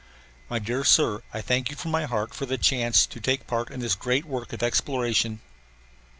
My dear Sir, I thank you from my heart for the chance to take part in this great work of exploration.